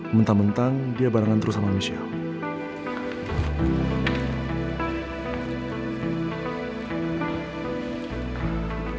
mentang mentang dia barengan terus sama manusiawi